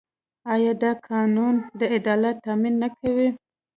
آیا دا قانون د عدالت تامین نه کوي؟